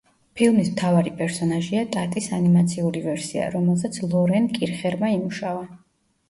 ფილმის მთავარი პერსონაჟია ტატის ანიმაციური ვერსია, რომელზეც ლორენ კირხერმა იმუშავა.